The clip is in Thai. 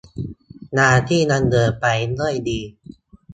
งานที่ดำเนินไปด้วยดี